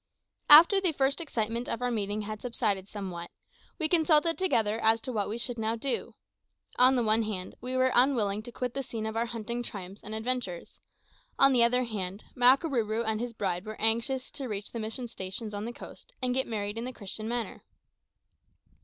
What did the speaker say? After the first excitement of our meeting had subsided somewhat, we consulted together as to what we should now do. On the one hand, we were unwilling to quit the scene of our hunting triumphs and adventures; on the other hand, Makarooroo and his bride were anxious to reach the mission stations on the coast and get married in the Christian manner.